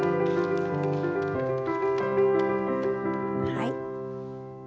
はい。